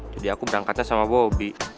jadi aku berangkatnya sama bobby